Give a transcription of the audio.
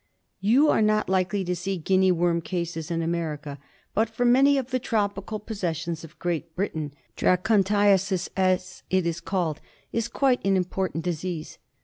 You are not likely to see Guinea worm cases in America, but for many of the tropical possessions of Great Britain Dracontiasis, as it is called, is quite an important disease.